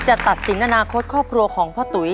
ตัดสินอนาคตครอบครัวของพ่อตุ๋ย